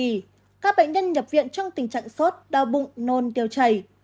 các bệnh nhân nhập viện trong tình trạng sốt đau bụng nôn tiêu chảy